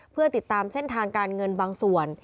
เพื่อติดตามเส้นทางการเงินบางส่วน